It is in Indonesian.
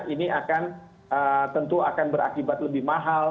ini akan tentu akan berakibat lebih mahal